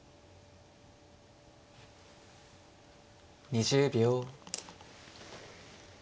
２０秒。